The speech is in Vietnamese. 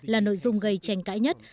là nội dung gây tranh cãi nhất